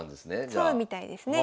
そうみたいですね。